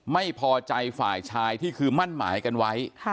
ไม่พอใจฝ่ายชายที่คือมั่นหมายกันไว้